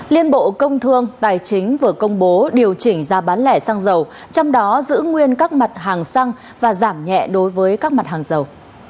liên bộ công thương tài chính vừa công bố điều chỉnh giá bán lẻ xăng dầu trong đó giữ nguyên các mặt hàng xăng và giảm nhẹ đối với các mặt hàng dầu